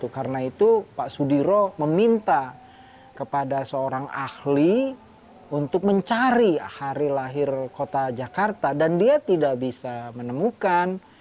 karena itu pak sudiro meminta kepada seorang ahli untuk mencari hari lahir kota jakarta dan dia tidak bisa menemukan